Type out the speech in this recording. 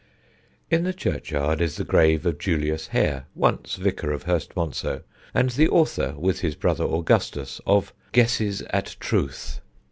In the churchyard is the grave of Julius Hare, once vicar of Hurstmonceux, and the author, with his brother Augustus, of Guesses at Truth.